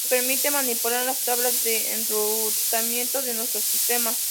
Nos permite manipular las tablas de enrutamiento de nuestro sistema.